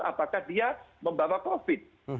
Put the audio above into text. apakah dia membawa covid